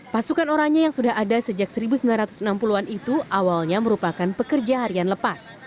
pasukan orangnya yang sudah ada sejak seribu sembilan ratus enam puluh an itu awalnya merupakan pekerja harian lepas